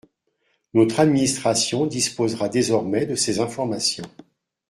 Notre administration disposera désormais de ces informations.